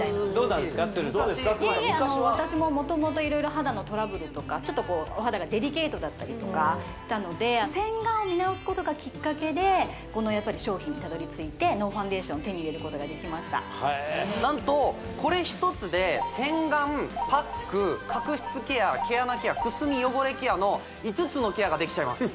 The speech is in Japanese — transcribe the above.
さん私も元々色々肌のトラブルとかちょっとお肌がデリケートだったりとかしたので洗顔を見直すことがきっかけでこの商品にたどりついてノーファンデーションを手に入れることができました何とこれ１つで洗顔パック角質ケア毛穴ケアくすみ汚れケアの５つのケアができちゃいます